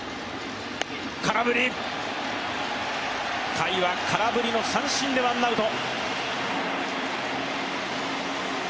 甲斐は空振りの三振でワンアウト。